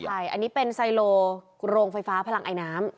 ใช่อันนี้เป็นไซโลโรงไฟฟ้าพลังไอน้ำ